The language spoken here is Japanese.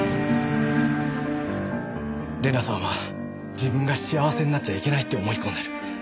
玲奈さんは自分が幸せになっちゃいけないって思い込んでる。